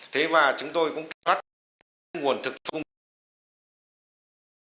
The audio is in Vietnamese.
thế và chúng tôi cũng kết hoạt nguồn thực phong bằng